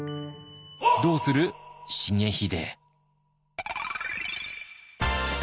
どうする重秀？